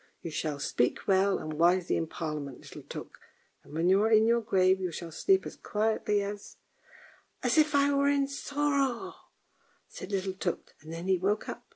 "You shall speak well and wisely in Parliament, little Tuk; and when you are in your grave you shall sleep as quietly as "" As if I were in Soro! " said little Tuk, and then he woke up.